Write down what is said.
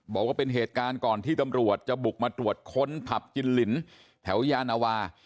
บอกว่าเป็นเหตุการณ์ก่อนที่ตำรวจจะบุกมาตรวจค้นผับกินลินแถวยานวา